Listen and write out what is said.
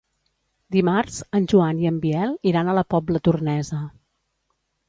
Dimarts en Joan i en Biel iran a la Pobla Tornesa.